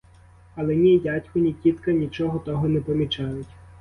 Але ні дядько, ні тітка нічого того не помічають.